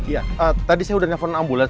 ya tadi saya udah nelfon ambulans